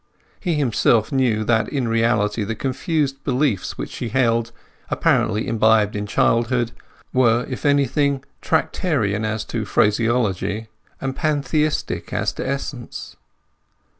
He himself knew that, in reality, the confused beliefs which she held, apparently imbibed in childhood, were, if anything, Tractarian as to phraseology, and Pantheistic as to essence.